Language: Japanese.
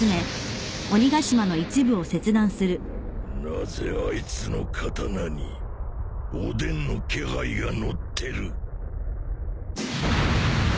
なぜあいつの刀におでんの気配が乗ってる！？